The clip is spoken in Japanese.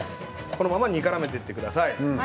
このまま煮からめていってください。